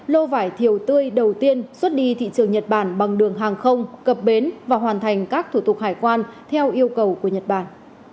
lô vải thiều tươi đầu tiên xuất đi thị trường nhật bản bằng đường hàng không cập bến và hoàn thành các thủ tục hải quan theo yêu cầu của nhật bản